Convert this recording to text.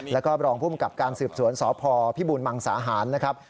แล้วก็รองภูมิกับการสืบสวนสพพิบูรมังสาหารนะครับ